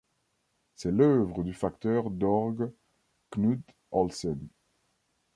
C'est l'œuvre du facteur d'orgue Knud Olsen.